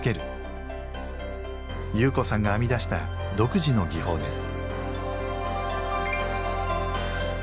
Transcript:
侑子さんが編み出した独自の技法です